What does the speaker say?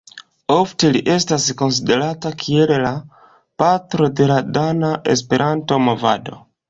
Ofte li estas konsiderata kiel "la patro de la dana Esperanto-movado".